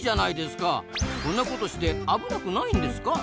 こんなことして危なくないんですか？